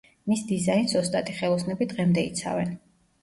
მის დიზაინს ოსტატი ხელოსნები დღემდე იცავენ.